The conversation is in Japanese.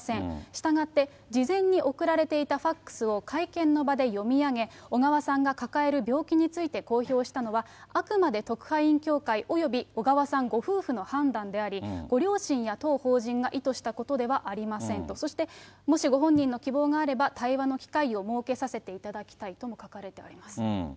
したがって、事前に送られていたファックスを会見の場で読み上げ、小川さんが抱える病気について公表したのは、あくまで特派員協会および小川さんご夫婦の判断であり、ご両親や当法人が意図したことではありませんと、そしてもしご本人の希望があれば、対話の機会を設けさせていただきたいとも書かれてあります。